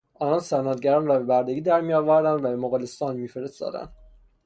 آنان صنعتگران را به بردگی درمی آوردند و به مغولستان میفرستادند.